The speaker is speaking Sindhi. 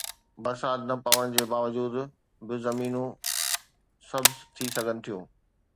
برسات نه پوڻ جي باوجود به زمينون سبز ٿي سگهن ٿيون.